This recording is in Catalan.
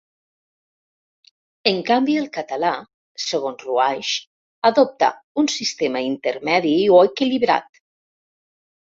En canvi el català, segons Ruaix, adopta un sistema "intermedi o equilibrat".